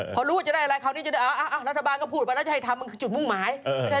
พอรู้ว่าจะได้อะไรคราวนี้จะได้รัฐบาลก็พูดไปแล้วจะให้ทำมันคือจุดมุ่งหมาย